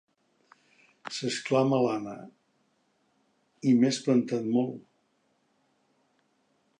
S'exclama l'Anna— i m'he espantat molt.